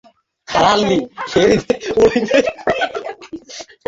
ভারতের মুক্তিও সেইজন্য ব্যক্তির শক্তি-বিকাশ ও তাহার অন্তর্নিহিত ব্রহ্ম-উপলব্ধির উপরই নির্ভর করে।